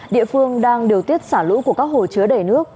địa phương đang điều tiết xả lũ của các hồ chứa đầy nước